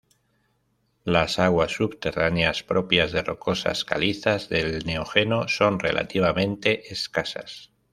Las aguas subterráneas, propias de rocosas calizas del neógeno son relativamente escasas.